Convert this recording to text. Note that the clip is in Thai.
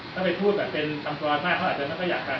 จำนวนเป็นคำกรรมมากเค้าอาจจะอยากฟัง